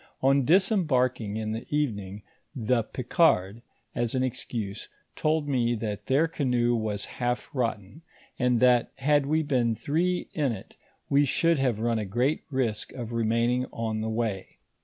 On disem barking in the evening, the Picard, as an excuse, told me that their canoe was half rotten, and that, had we been three in it, we should have run a great risk of remaining on the way.